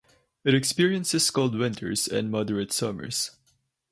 It experiences cold winters and moderate summers.